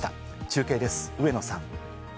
中継です、上野さん。